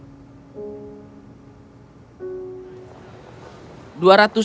dua ratus dolar uang tunai atau kartu